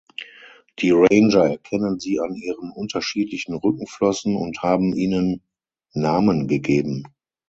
Die Ranger erkennen sie an ihren unterschiedlichen Rückenflossen und haben ihnen Namen gegeben.